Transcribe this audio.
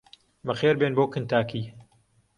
بەخێربێن بۆ کنتاکی!